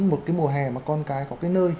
một cái mùa hè mà con cái có cái nơi